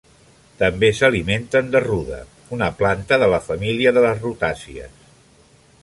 També s'alimenten de ruda, una planta de la família de les rutàcies.